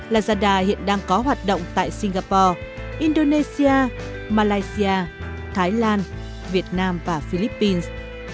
lazada hiện đang có hoạt động tại singapore indonesia malaysia thái lan việt nam và philippines